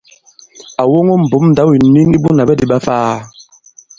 À woŋo mbǒm ndǎw ìnin i Bunà Ɓɛdì ɓa Ifaa.